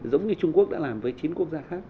giống như trung quốc đã làm với chín quốc gia khác